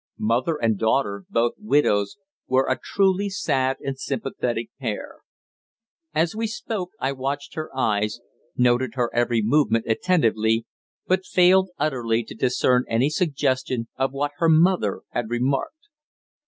Mother and daughter, both widows, were a truly sad and sympathetic pair. As we spoke I watched her eyes, noted her every movement attentively, but failed utterly to discern any suggestion of what her mother had remarked.